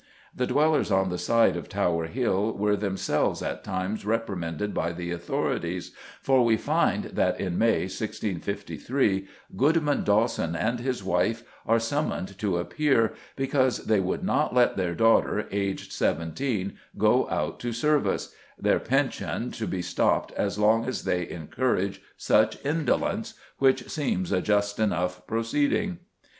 The dwellers on the side of Tower Hill were themselves at times reprimanded by the authorities, for we find that in May, 1653, "Goodman Dawson and his wife" are summoned to appear, "because they would not let their daughter, aged seventeen, go out to service: their pension to be stopped as long as they encourage such indolence," which seems a just enough proceeding.